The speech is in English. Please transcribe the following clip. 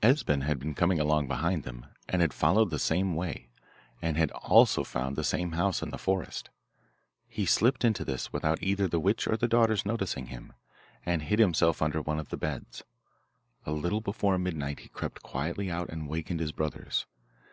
Esben had been coming along behind them, and had followed the same way, and had also found the same house in the forest. He slipped into this, without either the witch or her daughters noticing him, and hid himself under one of the beds. A little before midnight he crept quietly out and wakened his brothers.